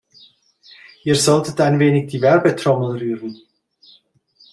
Ihr solltet ein wenig die Werbetrommel rühren.